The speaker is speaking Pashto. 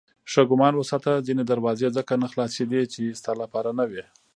ښه ګمان وساته ځینې دروازې ځکه نه خلاصېدې چې ستا لپاره نه وې.